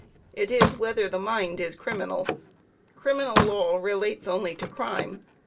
It is whether the mind is criminal. Criminal law relates only to crime.